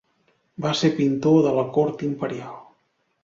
Va ser pintor de la cort imperial.